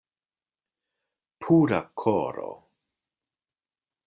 Pura koro!